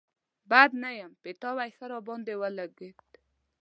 بد نه يم، پيتاوی ښه راباندې ولګېد.